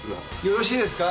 よろしいですか？